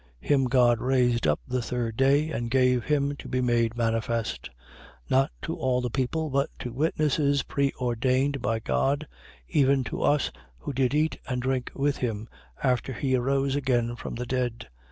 10:40. Him God raised up the third day and gave him to be made manifest, 10:41. Not to all the people, but to witnesses preordained by God, even to us, who did eat and drink with him, after he arose again from the dead.